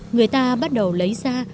người ta bắt đầu lấy ra